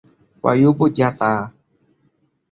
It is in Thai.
วายุบุตรยาตรา